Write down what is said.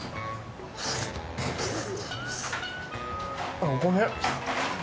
あっ、ごめん。